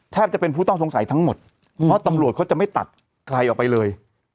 จะเป็นผู้ต้องสงสัยทั้งหมดเพราะตำรวจเขาจะไม่ตัดใครออกไปเลย